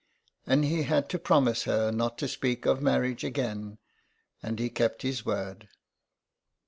And he had to promise her not to speak of mar riage again, and he kept his word.